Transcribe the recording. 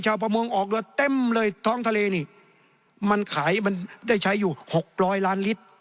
ประมงออกเรือเต็มเลยท้องทะเลนี่มันขายมันได้ใช้อยู่หกร้อยล้านลิตร